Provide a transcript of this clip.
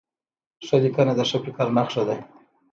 ښه لیکنه د ښه فکر نښه ده.